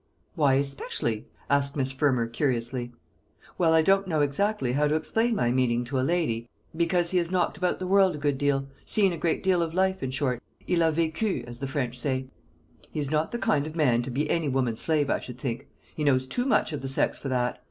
"Why 'especially'?" asked Miss Fermor, curiously. "Well, I don't know exactly how to explain my meaning to a lady because he has knocked about the world a good deal seen a great deal of life, in short. Il a vecu, as the French say. He is not the kind of man to be any woman's slave, I should think; he knows too much of the sex for that.